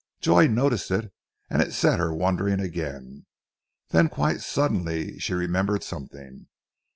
Joy noticed it, and it set her wondering again. Then quite suddenly she remembered something.